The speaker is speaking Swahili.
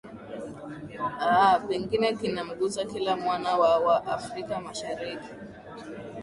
aa pengine kinamgusa kila mwana wa wa afrika mashariki